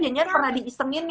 nyanyian pernah diistengin nih